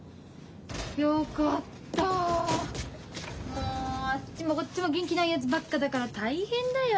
もうあっちもこっちも元気ないやつばっかだから大変だよ